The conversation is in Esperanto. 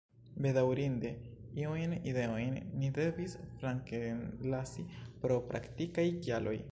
Bedaŭrinde iujn ideojn ni devis flankenlasi pro praktikaj kialoj.